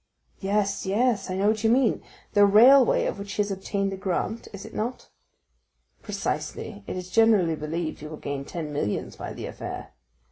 "Yes, yes, I know what you mean,—the railway, of which he has obtained the grant, is it not?" "Precisely; it is generally believed he will gain ten millions by that affair."